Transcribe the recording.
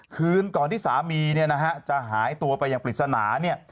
คืนก่อนที่สามีเนี่ยนะฮะจะหายตัวไปอย่างปริศนาเนี่ย